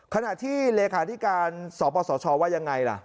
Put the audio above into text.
ขณะที่รคสปสชว่ายังไงล่ะ